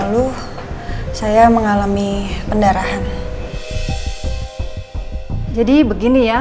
kandungan ibu sehat sekarang sehat apa pernah mengalami pendarahan atau kandungan ibu sehat